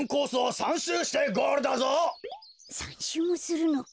３しゅうもするのか。